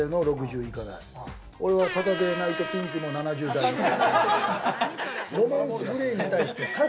俺は、サタデーナイトピンクの７０代の方。